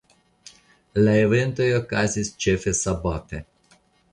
La eventoj okazis ĉefe sabate.